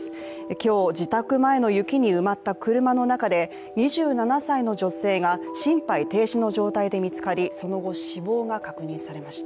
今日、自宅前の雪に埋まった車の中で２７歳の女性が心肺停止の状態で見つかり、その後、死亡が確認されました。